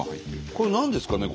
これ何ですかね？